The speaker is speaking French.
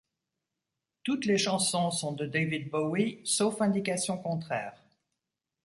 Toutes les chansons sont de David Bowie, sauf indication contraire.